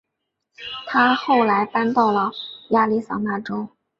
她后来搬到了亚利桑那州。